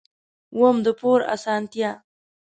اووم: د پور اسانتیا.